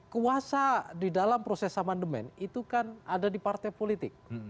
kuasa di dalam proses amandemen itu kan ada di partai politik